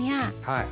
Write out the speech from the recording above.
はい。